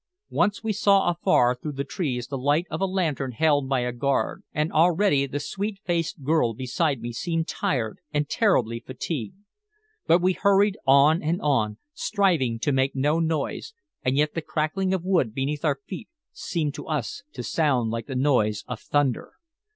Once we saw afar through the trees the light of a lantern held by a guard, and already the sweet faced girl beside me seemed tired and terribly fatigued. But we hurried on and on, striving to make no noise, and yet the crackling of wood beneath our feet seemed to us to sound like the noise of thunder.